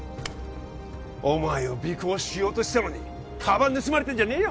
お前を尾行しようとしてたのにカバン盗まれてんじゃねえよ